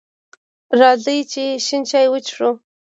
راځئ چې شین چای وڅښو!